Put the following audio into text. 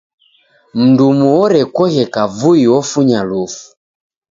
Mndumu orekoghe kavui ofunya lufu.